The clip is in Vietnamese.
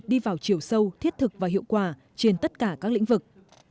đi vào chiều sâu thiết thực và hiệu quả trên tất cả các lĩnh vực